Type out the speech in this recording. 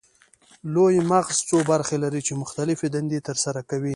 لوی مغزه څو برخې لري چې مختلفې دندې ترسره کوي